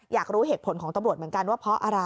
อยากรู้เหตุผลของตำรวจเหมือนกันว่าเพราะอะไร